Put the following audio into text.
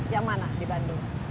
yang mana di bandung